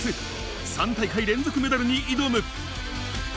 ３大会連続メダルに挑む。